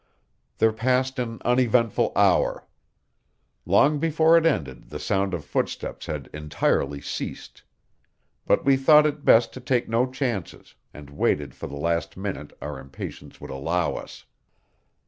There passed an uneventful hour. Long before it ended the sound of footsteps had entirely ceased; but we thought it best to take no chances, and waited for the last minute our impatience would allow us.